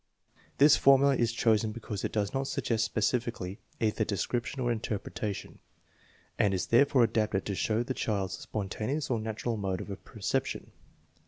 This formula is chosen because it does not sug gest specifically either description or interpretation, and is therefore adapted to show the child's spontaneous or natu ral mode of apperception.